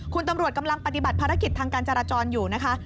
คุณตำรวจกำลังปฏิบัติภารกิจทางการจราจรอยู่นะคะ